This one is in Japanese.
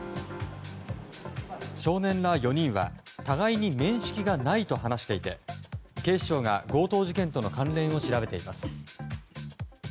少年ら４人は互いに面識がないと話していて警視庁が強盗事件との関連を調べています。